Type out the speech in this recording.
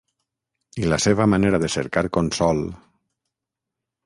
I la seva manera de cercar consol...